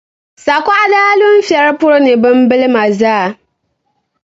sakuɣa daa lu n-fiɛri puri ni bimbilima zaa.